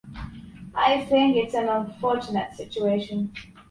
I think it’s an unfortunate situation.